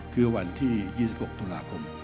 คือวันที่๒๖ตุลาคม